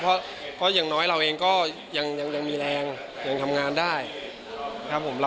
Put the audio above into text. เพราะอย่างน้อยเราเองก็ยังมีแรงยังทำงานได้ครับผม